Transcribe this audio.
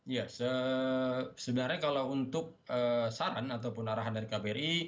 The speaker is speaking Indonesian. ya sebenarnya kalau untuk saran ataupun arahan dari kbri